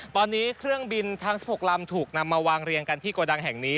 ตอนนี้เครื่องบินทั้ง๑๖ลำถูกนำมาวางเรียงกันที่โกดังแห่งนี้